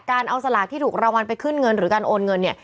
การเอาสลากที่ถูกรางวัลไปขึ้นเงินหรือการโอนเงินเนี่ย